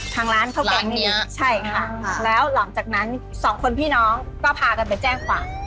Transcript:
ทางร้านข้าวแกงนี่นะใช่ค่ะแล้วหลังจากนั้นสองคนพี่น้องก็พากันไปแจ้งความ